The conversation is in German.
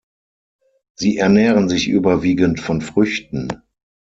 Sie ernähren sich überwiegend von Früchten.